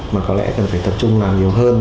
mà có lẽ cần phải tập trung làm nhiều hơn